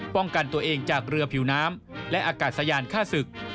ป้องกันตัวเองจากเรือผิวน้ำและอากาศยานฆ่าศึก